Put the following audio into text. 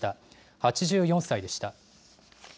８４歳でした。